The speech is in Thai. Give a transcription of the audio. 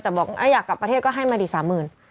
แต่บอกอยากกลับประเทศก็ให้มาดีสามหมื่น